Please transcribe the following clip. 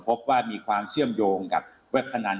พบว่ามีความเชื่อมโยงกับเว็บพนัน